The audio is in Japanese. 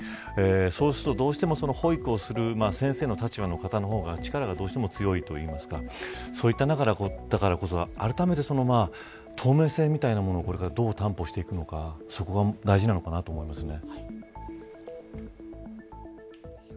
そうすると、どうしても保育をする先生の立場の方が力が強いといいますかそういった中だからこそあらためて透明性みたいなものをこれからどう担保していくのかそこが大事なのかなと思いますね。